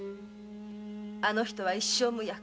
あの人は一生無役。